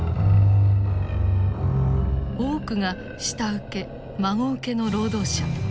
多くが下請け孫請けの労働者。